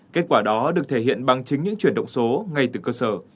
kết quả đó được thể hiện bằng chính những chuyển động số ngay từ cơ sở